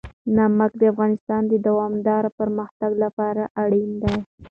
نمک د افغانستان د دوامداره پرمختګ لپاره اړین دي.